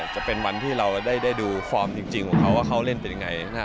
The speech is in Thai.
จะเป็นวันที่เราได้ดูฟอร์มจริงของเขาว่าเขาเล่นเป็นยังไง